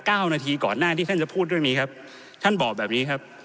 เก้านาทีก่อนหน้าที่ท่านจะพูดเรื่องนี้ครับท่านบอกแบบนี้ครับ